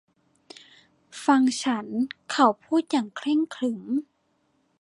ฟังฉันเขาพูดอย่างเคร่งขรึม